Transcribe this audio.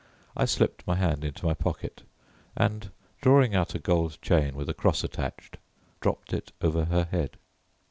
I slipped my hand into my pocket, and drawing out a gold chain with a cross attached, dropped it over her head.